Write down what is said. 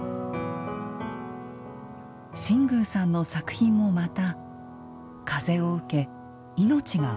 新宮さんの作品もまた風を受けいのちが吹き込まれます。